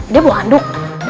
dia mau anduk